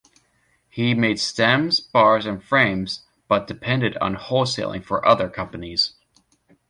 He made stems, bars and frames but depended on wholesaling for other companies.